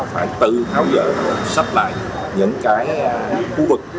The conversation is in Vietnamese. phải tự tháo dỡ sắp lại những khu vực